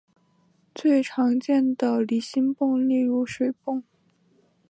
最常见的离心泵例如水泵。